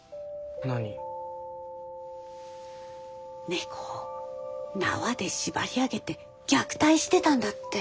猫を縄で縛り上げて虐待してたんだって。